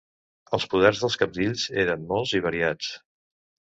Els poders dels cabdills eren molts i variats.